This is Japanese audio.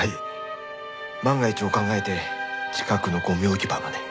万が一を考えて近くのゴミ置き場まで。